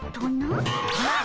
あっ。